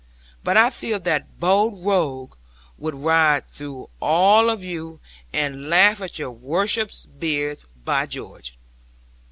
But I fear that bold rogue would ride through all of you, and laugh at your worship's beards, by George."